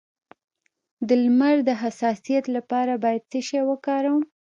د لمر د حساسیت لپاره باید څه شی وکاروم؟